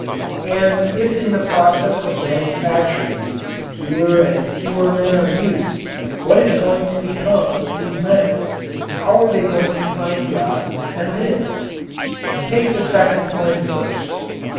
And if in the process of manufacturing fewer and fewer men are used, what is going to become of these men how are they going to find jobs and live? Take the second point first.